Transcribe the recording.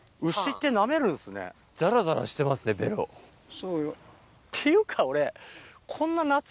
そうよ。っていうか俺。